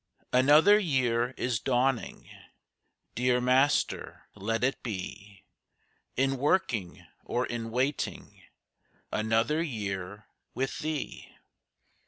Another year is dawning! Dear Master, let it be In working or in waiting, Another year with Thee.